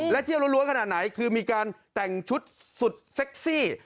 และเที่ยวล้วนขนาดไหนคือมีการแต่งชุดสุดเซ็กซี่